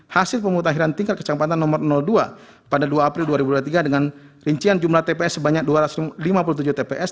hasil pemutakhiran tingkat kecamatan nomor dua pada dua april dua ribu dua puluh tiga dengan rincian jumlah tps sebanyak dua ratus lima puluh tujuh tps